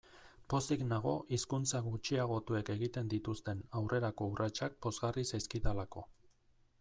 Pozik nago hizkuntza gutxiagotuek egiten dituzten aurrerako urratsak pozgarri zaizkidalako.